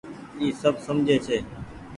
اي سب سجهي ڇي۔